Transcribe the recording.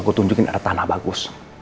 gue tunjukin ada tanah bagus